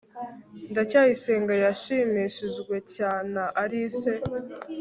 ndacyayisenga yashimishijwe cy na alice